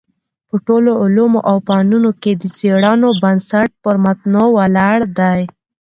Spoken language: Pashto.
په ټولو علومو او فنونو کي د څېړنو بنسټ پر متونو ولاړ دﺉ.